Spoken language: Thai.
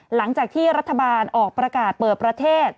หลังจากที่รัฐบาลออกประกาศเปิดประเทศ